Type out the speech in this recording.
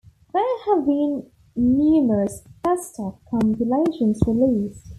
There have also been numerous 'best of' compilations released.